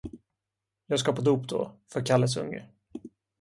Jag ska på dop då, för Kalles unge.